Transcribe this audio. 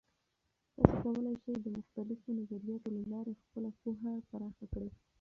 تاسې کولای سئ د مختلفو نظریاتو له لارې خپله پوهه پراخه کړئ.